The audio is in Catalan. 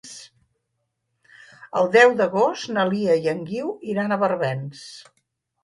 El deu d'agost na Lia i en Guiu iran a Barbens.